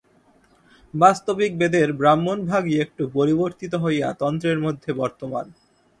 বাস্তবিক বেদের ব্রাহ্মণভাগই একটু পরিবর্তিত হইয়া তন্ত্রের মধ্যে বর্তমান।